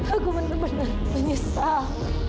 aku benar benar menyesal